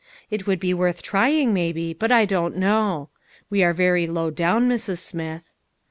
It would be worth trying, maybe, but I don't know. We are very low down, Mrs. Smith."